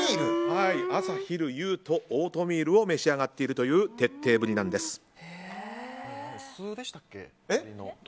朝、昼、夕とオートミールを召し上がっているという徹底ぶりなんです。